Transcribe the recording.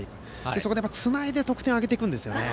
そこでつないで得点を挙げていくんですよね。